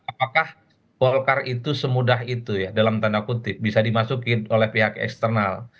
apakah golkar itu semudah itu ya dalam tanda kutip bisa dimasukin oleh pihak eksternal